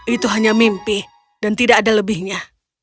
itu hanya mimpi dan tidak ada lebihnya